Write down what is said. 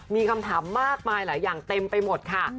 มีคำถามมากมายหลายอย่างเต็มไปหมดค่ะ